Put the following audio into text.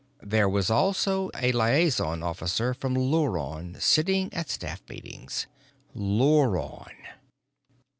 There was also a liaison officer from Luron sitting at staff meetings. Luron!